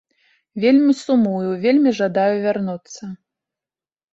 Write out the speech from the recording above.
Вельмі сумую, вельмі жадаю вярнуцца!